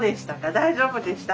大丈夫でした？